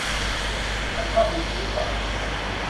ฉันชอบดูพลุก่อนวันปีใหม่